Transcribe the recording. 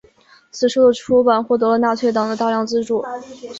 此书的出版获得了纳粹党的大量资助。